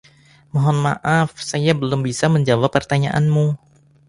Mohon maaf, saya belum bisa menjawab pertanyaanmu.